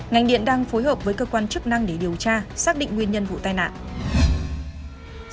ngành điện đang phối hợp với cơ quan chức năng để điều tra xác định nguyên nhân vụ tai nạn